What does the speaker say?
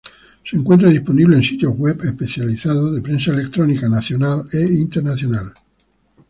Se encuentra disponible en sitios web especializados de prensa electrónica nacional e internacional.